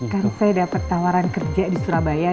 kan saya dapat tawaran kerja di surabaya